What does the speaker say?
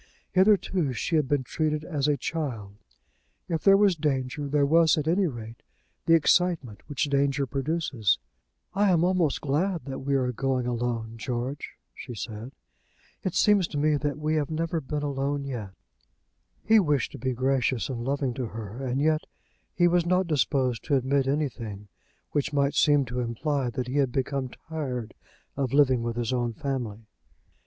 Hitherto she had been treated as a child. If there was danger, there was, at any rate, the excitement which danger produces. "I am almost glad that we are going alone, George," she said. "It seems to me that we have never been alone yet." He wished to be gracious and loving to her, and yet he was not disposed to admit anything which might seem to imply that he had become tired of living with his own family.